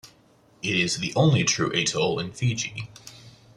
It is the only true atoll in Fiji.